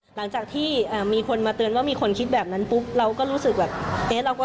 หลังจากที่มีคนมาเตือนว่ามีคนคิดแบบนั้นปุ๊บเราก็รู้สึกแบบเอ๊ะเราก็